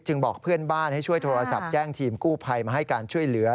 บอกเพื่อนบ้านให้ช่วยโทรศัพท์แจ้งทีมกู้ภัยมาให้การช่วยเหลือ